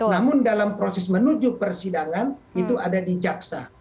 namun dalam proses menuju persidangan itu ada di jaksa